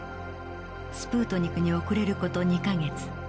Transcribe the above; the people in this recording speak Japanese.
スプートニクにおくれる事２か月。